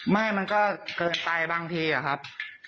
ไม่มันก็เกินไปบางทีอะครับ